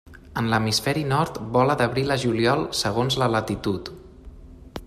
En l'Hemisferi Nord vola d'abril a juliol segons la latitud.